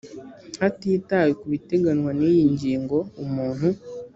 hatitawe ku biteganywa n iyi ngingo umuntu